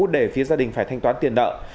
để phía gia đình phải thanh toán tiền nợ